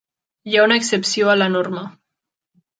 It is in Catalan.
Hi ha una excepció a la norma.